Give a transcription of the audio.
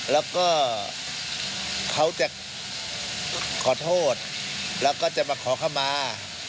แล้วก็เขาจะขอโทษแล้วก็จะมาขอเข้ามา